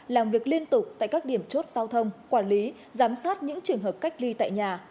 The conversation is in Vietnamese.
làm việc liên tục tại các điểm chốt giao thông quản lý giám sát những trường hợp cách ly tại nhà